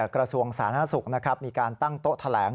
กระทรวงสาธารณสุขมีการตั้งโต๊ะแถลง